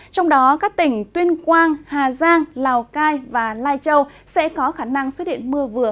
trong đó các tỉnh tuyên quang hà giang lào cai và lai châu sẽ có khả năng xuất hiện mưa vừa